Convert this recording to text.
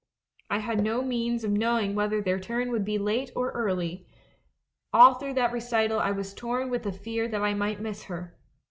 I had no means of knowing whether their turn would be late or early; all through that recital I was torn with the fear that I might miss her.